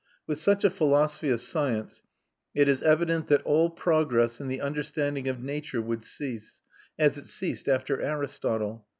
With such a philosophy of science, it is evident that all progress in the understanding of nature would cease, as it ceased after Aristotle.